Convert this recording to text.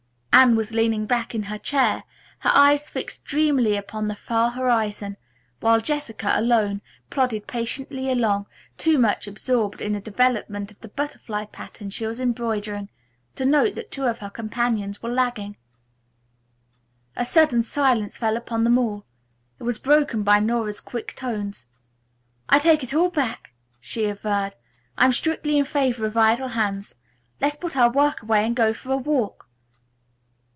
Anne was leaning back in her chair, her eyes fixed dreamily upon the far horizon, while Jessica, alone, plodded patiently along, too much absorbed in the development of the butterfly pattern she was embroidering to note that two of her companions were lagging. A sudden silence fell upon them all. It was broken by Nora's quick tones. "I'll take it all back," she averred. "I'm strictly in favor of idle hands. Let's put our work away and go for a walk!"